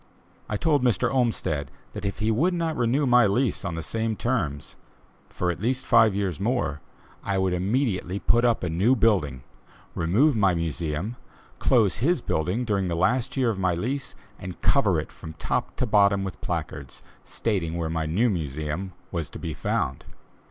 I told Mr. Olmsted that if he would not renew my lease on the same terms, for at least five years more, I would immediately put up a new building, remove my Museum, close his building during the last year of my lease, and cover it from top to bottom with placards, stating where my new Museum was to be found.